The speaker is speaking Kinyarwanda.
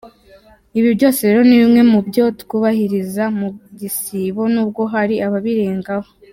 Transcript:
Ibi byose rero ni bimwe mu byo twubahiriza mu gisibo nubwo hari ababirengaho.